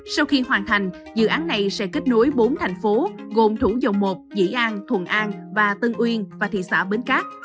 sau khi hoàn thành dự án này sẽ kết nối bốn thành phố gồm thủ dầu một dĩ an thuận an và tân uyên và thị xã bến cát